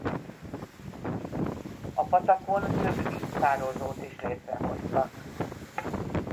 A patakon több víztározót is létrehoztak.